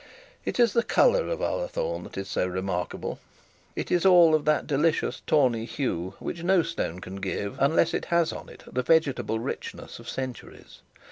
It is the colour of Ullathorne that is so remarkable. It is all of that delicious tawny hue which no stone can give, unless it has on it the vegetable richness of centuries.